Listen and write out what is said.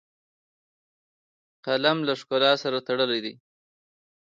قلم له ښکلا سره تړلی دی